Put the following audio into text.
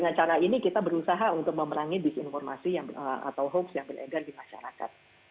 dengan cara ini kita berusaha untuk memerangi disinformasi atau hoax yang beredar di masyarakat